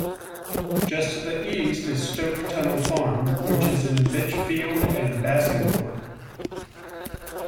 Just to the east is Stoke Tunnel Farm, which is in Bitchfield and Bassingthorpe.